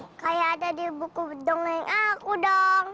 seperti ada di bukuydonga yang aku dong